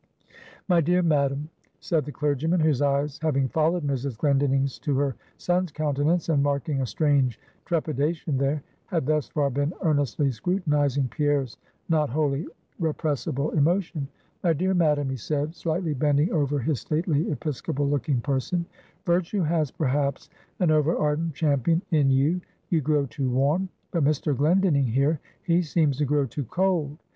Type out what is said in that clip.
"My dear Madam," said the clergyman, whose eyes having followed Mrs. Glendinning's to her son's countenance, and marking a strange trepidation there, had thus far been earnestly scrutinizing Pierre's not wholly repressible emotion; "My dear Madam," he said, slightly bending over his stately episcopal looking person "Virtue has, perhaps, an over ardent champion in you; you grow too warm; but Mr. Glendinning, here, he seems to grow too cold.